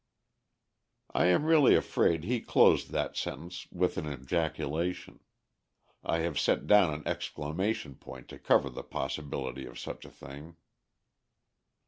!" I am really afraid he closed that sentence with an ejaculation. I have set down an exclamation point to cover the possibility of such a thing.